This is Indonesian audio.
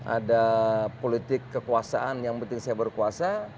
ada politik kekuasaan yang penting saya berkuasa